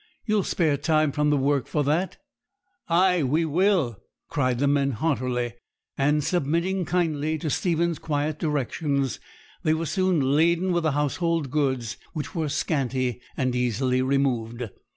You'll spare time from the work for that?' 'Ay, will we!' cried the men heartily; and, submitting kindly to Stephen's quiet directions, they were soon laden with the household goods, which were scanty and easily removed.